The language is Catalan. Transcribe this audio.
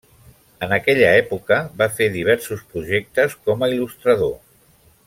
En aquella època va fer diversos projectes com a il·lustrador.